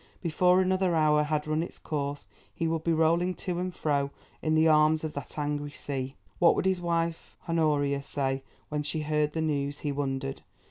Before another hour had run its course, he would be rolling to and fro in the arms of that angry sea. What would his wife Honoria say when she heard the news, he wondered?